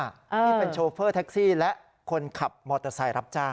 ที่เป็นโชเฟอร์แท็กซี่และคนขับมอเตอร์ไซค์รับจ้าง